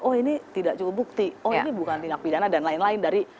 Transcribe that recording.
oh ini tidak cukup bukti oh ini bukan tindak pidana dan lain lain dari